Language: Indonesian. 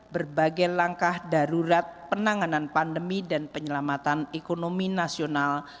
berbagai langkah darurat penanganan pandemi dan penyelamatan ekonomi nasional